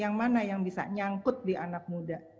yang mana yang bisa nyangkut di anak muda